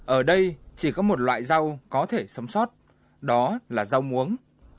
ở đây chỉ có một loại rau có thể sống sót đó là rau muống